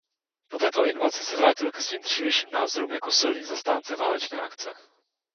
Po této invazi se vrátil ke svým dřívějším názorům jako silný zastánce válečné akce.